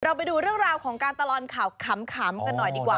ไปดูเรื่องราวของการตลอดข่าวขำกันหน่อยดีกว่า